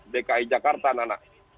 dki jakarta nana